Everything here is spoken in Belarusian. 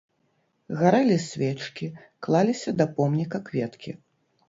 Гарэлі свечкі, клаліся да помніка кветкі.